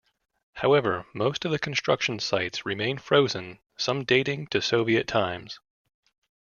However, most of the construction sites remain frozen, some dating to Soviet times.